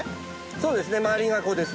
そうですね周りが子です。